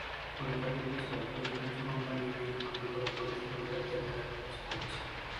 পরিতাপের বিষয় অধিকাংশ কোম্পানিই আইন অমান্য করে পলিসি হোল্ডারদের টাকা খরচ করছে।